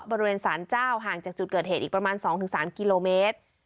บริเวณสารเจ้าห่างจากจุดเกิดเหตุอีกประมาณ๒๓กิโลเมตร